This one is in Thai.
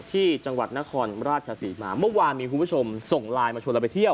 ที่จังหวัดนครราชศรีมาเมื่อวานมีคุณผู้ชมส่งไลน์มาชวนเราไปเที่ยว